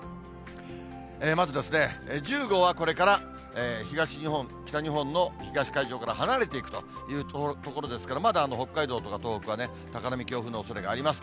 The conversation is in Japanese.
まず、１０号はこれから東日本、北日本の東海上から離れていくというところですから、まだ北海道とか、東北はね、高波、強風のおそれがあります。